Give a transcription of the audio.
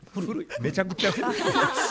めちゃくちゃ古い。